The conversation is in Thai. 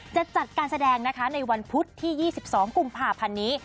จะจัดการแสดงนะคะในวันพุธที่๒๒กุมภาพันธ์นี้